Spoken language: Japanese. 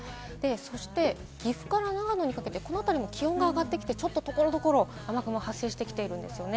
そして岐阜から長野にかけて、このあたりも気温が上がってきて所々雨雲が発生してきているんですね。